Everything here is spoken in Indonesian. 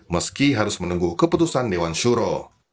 meski harus menunggu keputusan dewan syuro